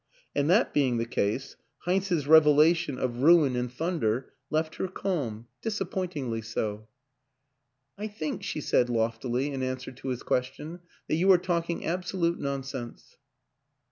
And that being the case, Heinz's revelation of ruin 92 WILLIAM AN ENGLISHMAN and thunder left her calm disappointingly so. " I think," she said loftily, in answer to his question, " that you are talking absolute non sense."